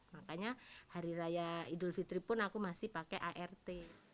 makanya hari raya idul fitri pun aku masih pakai art